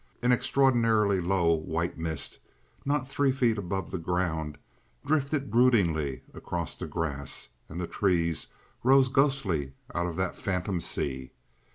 An extraordinarily low white mist, not three feet above the ground, drifted broodingly across the grass, and the trees rose ghostly out of that phantom sea.